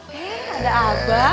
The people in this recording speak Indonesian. hei ada abah